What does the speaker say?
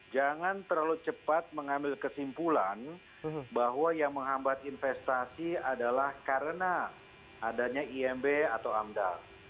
jangan terlalu cepat mengambil kesimpulan bahwa yang menghambat investasi adalah karena adanya imb atau amdal